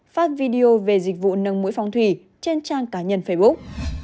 phát video về dịch vụ nâng mũi phòng thủy trên trang cá nhân facebook